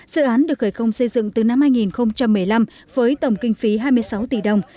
dự án được khởi công xây dựng từ năm hai nghìn một mươi năm với tổng kinh phí hai mươi sáu tỷ đồng